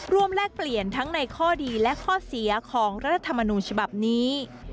แลกเปลี่ยนทั้งในข้อดีและข้อเสียของรัฐธรรมนูญฉบับนี้